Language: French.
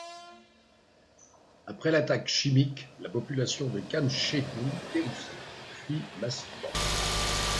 Après l'attaque chimique, la population de Khan Cheikhoun, terrifiée, fuit massivement.